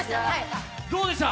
どうでした？